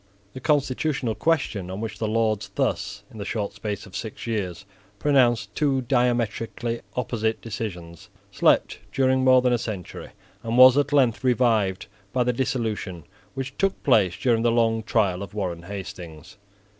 The constitutional question on which the Lords thus, in the short space of six years, pronounced two diametrically opposite decisions, slept during more than a century, and was at length revived by the dissolution which took place during the long trial of Warren Hastings.